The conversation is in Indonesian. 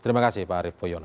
terima kasih pak arief puyono